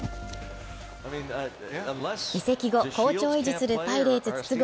移籍後、好調を維持するパイレーツ・筒香。